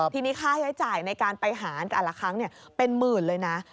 ทีนี้ค่าใช้จ่ายในการไปหาแต่ละครั้งเป็นหมื่นเลยนะ